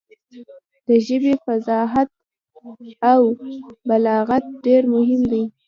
د ژبې فصاحت او بلاغت ډېر مهم دی.